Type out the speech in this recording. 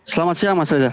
selamat siang mas reza